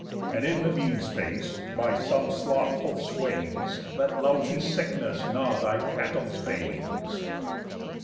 And in the mean space by some slothful swains Let lousy sickness gnaw thy cattle's veins."